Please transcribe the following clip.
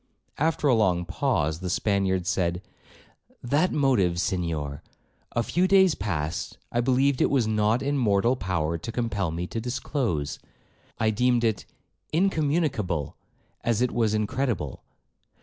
After a long pause, the Spaniard said, 'That motive, Senhor, a few days past I believed it was not in mortal power to compel me to disclose. I deemed it incommunicable as it was incredible.